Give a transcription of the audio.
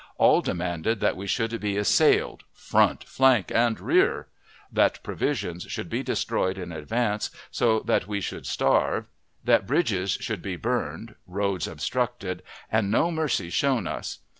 All demanded that we should be assailed, "front, flank, and rear;" that provisions should be destroyed in advance, so that we would starve; that bridges should be burned, roads obstructed, and no mercy shown us.